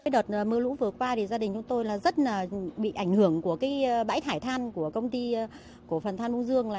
đợt mưa lũ vừa qua thì gia đình chúng tôi rất bị ảnh hưởng của bãi thải than của công ty than mông dương